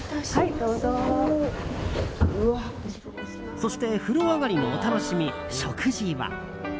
そして、風呂上がりのお楽しみ食事は。